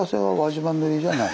はい。